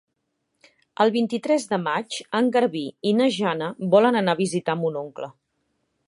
El vint-i-tres de maig en Garbí i na Jana volen anar a visitar mon oncle.